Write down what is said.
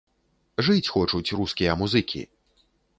Жыць хочуць рускія музыкі!